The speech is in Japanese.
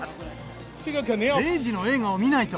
０時の映画を見ないと。